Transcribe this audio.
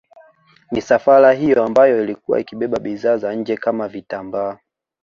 Misafara hiyo ambayo ilikuwa ikibeba bidhaa za nje kama vitambaa